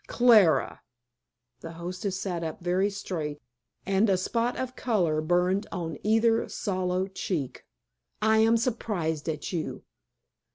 "Clara." The hostess sat up very straight, and a spot of color burned on either sallow cheek. "I am surprised at you.